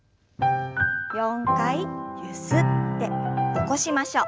４回ゆすって起こしましょう。